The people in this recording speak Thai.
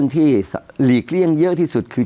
ที่หลีกเลี่ยงเยอะที่สุดคือ